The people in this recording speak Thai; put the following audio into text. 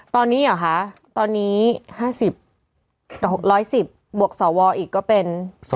ตอนนี้เหรอคะตอนนี้๕๐กับ๖๑๐บวกสวอีกก็เป็น